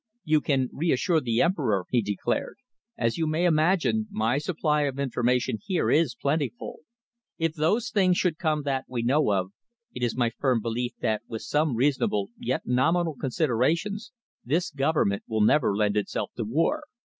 "You can reassure the Emperor," he declared. "As you may imagine, my supply of information here is plentiful. If those things should come that we know of, it is my firm belief that with some reasonable yet nominal considerations, this Government will never lend itself to war."